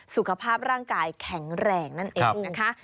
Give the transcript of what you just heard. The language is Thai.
สุขภาพร่างกายแข็งแรงนั่นเองนะคะ